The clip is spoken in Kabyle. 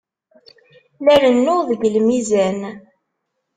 La rennuɣ deg lmizan.